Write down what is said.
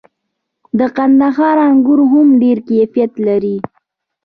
د کندهار انګور هم ډیر کیفیت لري.